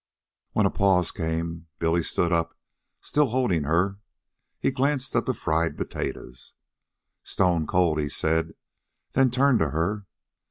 When a pause came, Billy stood up, still holding her. He glanced at the fried potatoes. "Stone cold," he said, then turned to her.